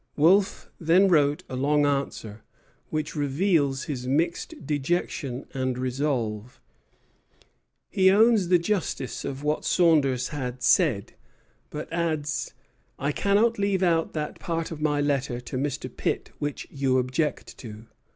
Wolfe then wrote a long answer, which reveals his mixed dejection and resolve. He affirms the justice of what Saunders had said, but adds: "I shall leave out that part of my letter to Mr. Pitt which you object to.